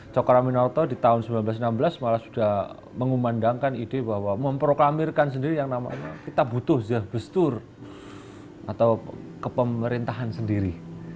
cokro aminoto di tahun seribu sembilan ratus enam belas malah sudah mengumandangkan ide bahwa memproklamirkan sendiri yang namanya kita butuh zah bestur atau kepemerintahan sendiri